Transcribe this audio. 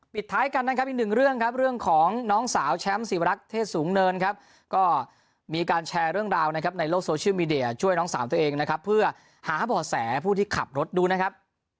ท้ายกันนะครับอีกหนึ่งเรื่องครับเรื่องของน้องสาวแชมป์ศิวรักษ์เทศสูงเนินครับก็มีการแชร์เรื่องราวนะครับในโลกโซเชียลมีเดียช่วยน้องสาวตัวเองนะครับเพื่อหาบ่อแสผู้ที่ขับรถดูนะครับ